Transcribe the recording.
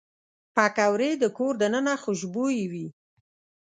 پکورې د کور دننه خوشبويي وي